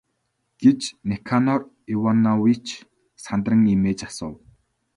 гэж Никанор Иванович сандран эмээж асуув.